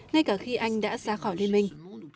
ngay cả khi anh đã ra khỏi liên minh